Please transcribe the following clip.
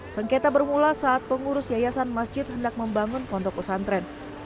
sengketa bermula saat pengurus yayasan masjid hendak membangun pondok pesantren